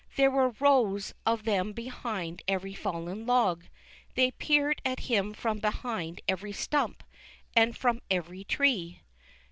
There were rows of them behind every fallen log. They peered at him from behind every stump, and from every tree.